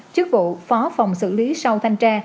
chức vụ phó phòng xử lý sau thanh tra